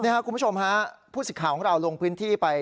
คุณผู้ชมฮะผู้สิทธิ์ข่าวของเราลงพื้นที่ไป